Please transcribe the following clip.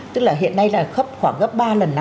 tức là hiện nay là khoảng gấp ba lần